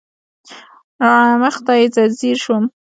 راڼه مخ ته یې ځېر شوم.